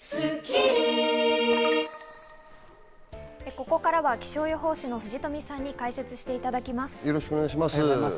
ここからは気象予報士の藤富さんに解説していただきます。